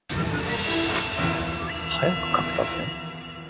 速く書くため？